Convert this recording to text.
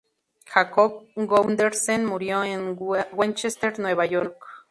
Jacob Gundersen murió en Westchester, Nueva York.